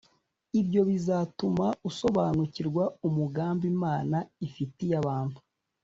Ibyo bizatuma usobanukirwa umugambi Imana ifitiye abantu